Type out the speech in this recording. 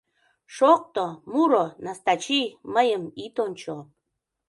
Шокто, муро, Настачи, мыйым ит ончо.